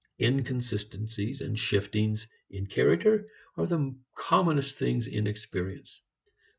Inconsistencies and shiftings in character are the commonest things in experience.